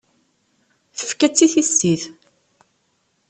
Tefka-tt i tissit.